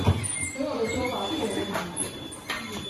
朋友的說法是有問題的